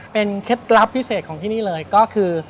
เป็นเคล็ดลับพิเศษของที่นี่เลยก็คือ